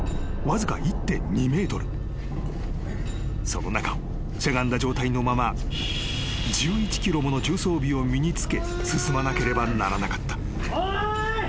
［その中をしゃがんだ状態のまま１１ｋｇもの重装備を身につけ進まなければならなかった］